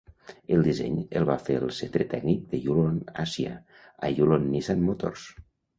El disseny el va fer el centre tècnic de Yulon Àsia a Yulon-Nissan Motors.